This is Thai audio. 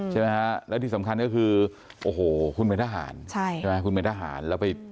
ใช่ไหมคะแล้วที่สำคัญก็คือคุณเป็นทหาร